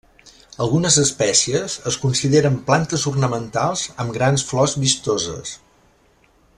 Algunes espècies es consideren plantes ornamentals amb grans flors vistoses.